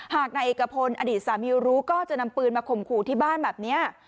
หากนายเอกพลอดีตสามีรู้ก็จะนำปืนมาข่มขู่ที่บ้านแบบนี้